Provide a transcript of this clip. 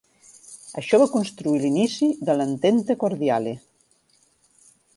Això va constituir l'inici de l'Entente Cordiale.